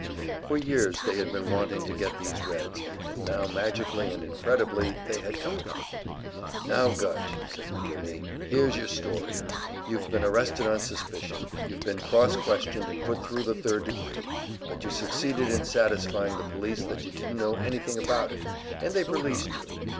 For years they had been wanting to get these Reds, and now magically and incredibly, they had got them! "Now, Gudge," said McGivney, "here's your story. You've been arrested on suspicion, you've been cross questioned and put thru the third degree, but you succeeded in satisfying the police that you didn't know anything about it, and they've released you.